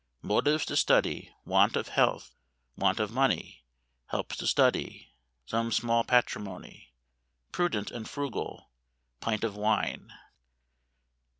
Motives to study; want of health, want of money; helps to study; some small patrimony. Prudent and frugal; pint of wine.